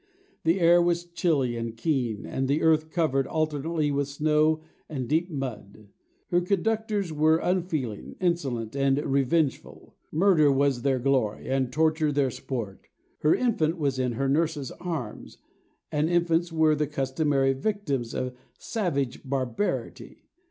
The air was chilly and keen, and the earth covered, alternately, with snow and deep mud. Her conductors were unfeeling, insolent, and revengeful: murder was their glory, and torture their sport. Her infant was in her nurse's arms; and infants were the customary victims of savage barbarity.